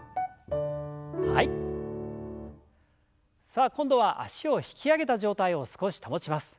さあ今度は脚を引き上げた状態を少し保ちます。